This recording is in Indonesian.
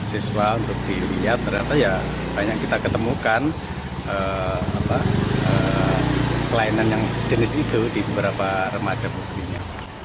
siswa untuk dilihat ternyata ya banyak kita ketemukan pelayanan yang sejenis itu di beberapa remaja buktinya